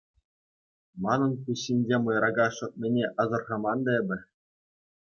Манӑн пуҫ ҫинче «мӑйрака» шӑтнине асӑрхаман та эпӗ.